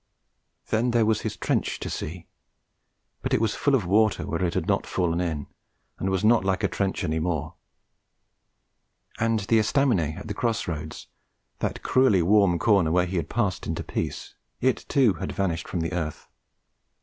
Then there was his trench to see; but it was full of water where it had not fallen in, and was not like a trench any more. And the estaminet at the cross roads, that cruelly warm corner whence he passed into peace, it too had vanished from the earth.